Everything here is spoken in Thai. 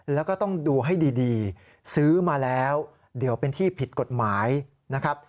แล้วก็ต้องดูให้ดีซื้อมาแล้วเดี๋ยวเป็นที่ผิดกฎหมายนะครับ